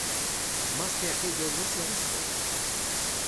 Más que aquello no se ha visto.